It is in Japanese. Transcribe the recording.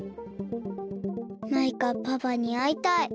マイカパパにあいたい。